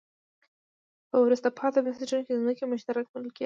په وروسته پاتې بنسټونو کې ځمکې مشترک ملکیت لري.